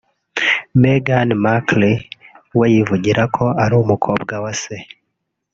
Meghan Markle we yivugira ko ari umukobwa wa Se